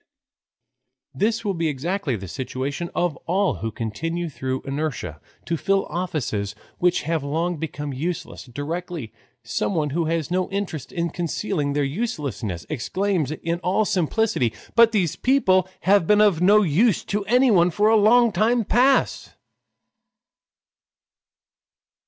This will be exactly the situation of all who continue through inertia to fill offices which have long become useless directly someone who has no interest in concealing their uselessness exclaims in all simplicity: "But these people have been of no use to anyone for a long time past!"